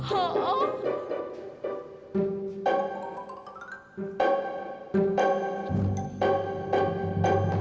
pokoknya pacarnya di sini sendiri ya crane